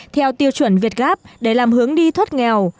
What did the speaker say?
theo tiêu chuẩn việt gáp để làm hướng đi thoát nghèo